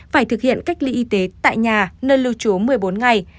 phải thực hiện cách ly y tế tại nhà nơi lưu trú một mươi bốn ngày